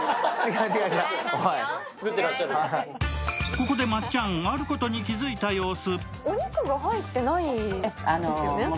ここでまっちゃんあることに気づいた様子。